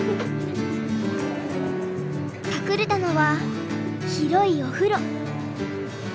隠れたのは広いお風呂。